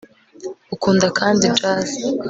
ukunda kandi jazz